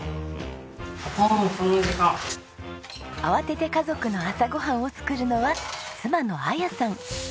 慌てて家族の朝ご飯を作るのは妻の彩さん。